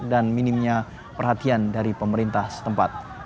dan minimnya perhatian dari pemerintah setempat